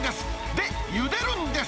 で、ゆでるんです。